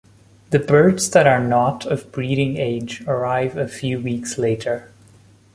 The birds that are not of breeding age arrive a few weeks later.